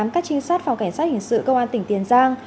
các trinh sát phòng cảnh sát hình sự công an tỉnh tiền giang